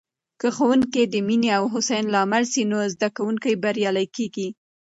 که ښوونکې د مینې او هڅونې لامل سي، نو زده کوونکي بریالي کېږي.